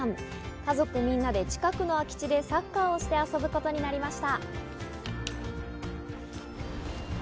家族みんなで近くの空き地でサッカーをして遊ぶことになりました。